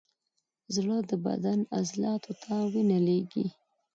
زړه د بدن عضلاتو ته وینه لیږي.